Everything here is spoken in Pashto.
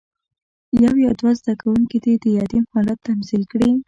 یو یا دوه زده کوونکي دې د یتیم حالت تمثیل کړي.